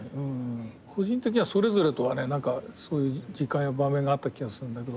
個人的にはそれぞれとはそういう時間や場面があった気がするんだけど。